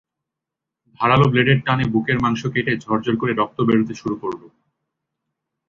ধারালো ব্লেডের টানে বুকের মাংস কেটে ঝরঝর করে রক্ত বেরোতে শুরু করল।